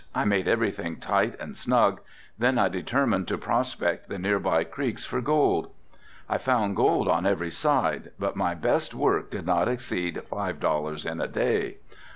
I made everything tight and snug, then I determined to prospect the near by creeks for gold. I found gold on every side but my best work did not exceed five dollars in a day.